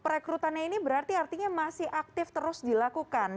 perekrutannya ini berarti artinya masih aktif terus dilakukan